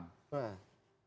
tidak perlu lagi